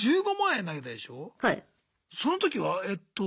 その時は？えっと。